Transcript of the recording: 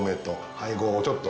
配合をちょっと。